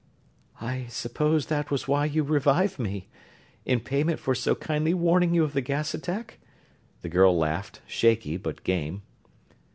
"I suppose that was why you revived me in payment for so kindly warning you of the gas attack?" The girl laughed; shaky, but game.